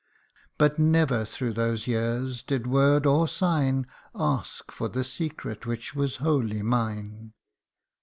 But never through those years did word or sign Ask for the secret which was wholly mine.